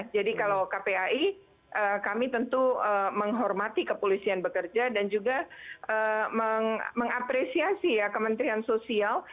jadi kalau kpai kami tentu menghormati kepolisian bekerja dan juga mengapresiasi ya kementerian sosial